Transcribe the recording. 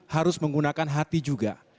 harus menggunakan hati juga